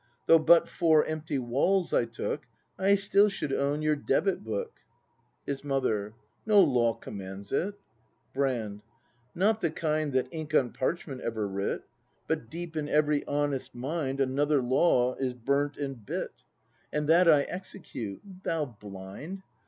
Though but four empty walls I took, I still should own your debit book. His Mother. No law commands it. Brand. Not the knd That ink on parchment ever writ; But deep in every honest mind Another law is burnt and bit, —■ 92 BRAND [act ii And that I execute. Thou blind